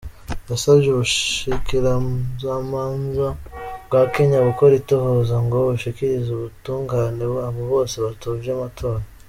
Yasavye ubushikirizamanza bwa Kenya gukora itohoza, ngo bushikirize ubutungane abo bose batovye amatora.